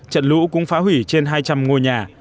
trận lũ cũng phá hủy trên hai trăm linh ngôi nhà